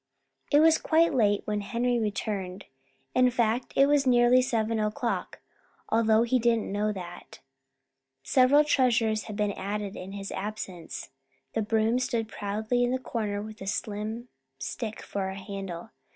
It was quite late when Henry returned. In fact, it was nearly seven o'clock, although he didn't know that. Several treasures had been added in his absence. The broom stood proudly in the corner with a slim stick for a handle.